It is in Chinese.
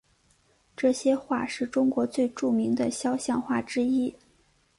这些画是中国最著名的肖像画之一。